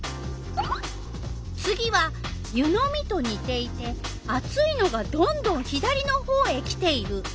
次は「ゆ飲みとにていて熱いのがどんどん左の方へきている」。